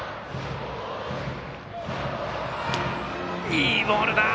いいボールだ。